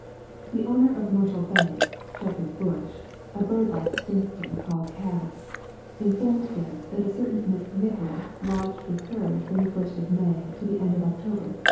The owner of Myrtle Bank, Shepherd's Bush, a bird like spinster called Cass, informed Gebb that a certain Miss Migral lodged with her from the first of May to the end of October, 1894.